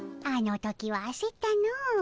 あの時はあせったのう。